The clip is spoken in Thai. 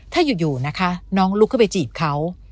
ถ้าอยู่น้องลุกเข้าไปจีบเขา